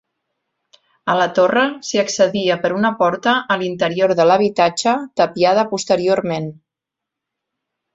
A la torre s'hi accedia per una porta a l'interior de l'habitatge, tapiada posteriorment.